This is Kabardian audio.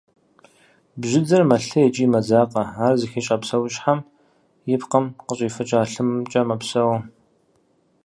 Бжьыдзэр мэлъей икӏи мэдзакъэ, ар зыхищӏа псэущхьэм и пкъым къыщӏифыкӏа лъымкӏэ мэпсэу.